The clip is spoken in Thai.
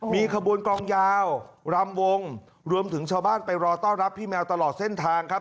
มีขบวนกลองยาวรำวงรวมถึงชาวบ้านไปรอต้อนรับพี่แมวตลอดเส้นทางครับ